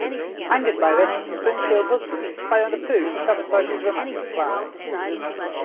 Angered by this, the Springfield husbands spy on Apu to sabotage his romantic plans.